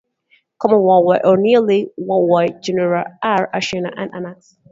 Common worldwide or nearly worldwide genera are "Aeshna" and "Anax".